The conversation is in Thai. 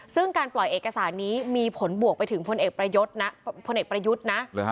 ซึ่งการปล่อยเอกสารนี้มีผลบวกไปถึงผลเอกประยุทธ์นะ